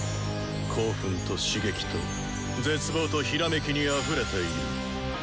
興奮と刺激と絶望とひらめきにあふれている。